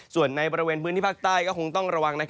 ส่วนในบริเวณพื้นที่ภาคใต้ก็คงต้องระวัง